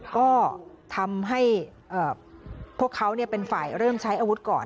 ก็ทำให้พวกเขาเป็นฝ่ายเริ่มใช้อาวุธก่อน